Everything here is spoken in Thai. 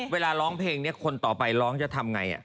ร้องเพลงนี้คนต่อไปร้องจะทำไง